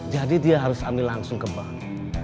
jadi dia harus ambil langsung ke bank